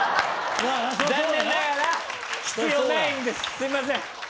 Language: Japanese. すいません。